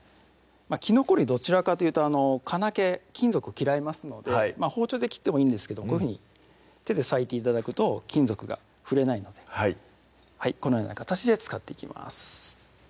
きのこ類どちらかというと金系金属嫌いますので包丁で切ってもいいんですけどこういうふうに手で割いて頂くと金属が触れないのでこのような形で使っていきます